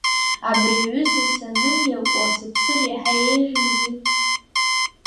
Абри аҩыза санымиакәа сыԥсыр иаҳа еиӷьымзи.